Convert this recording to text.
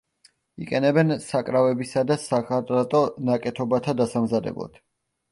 იყენებენ საკრავებისა და სახარატო ნაკეთობათა დასამზადებლად.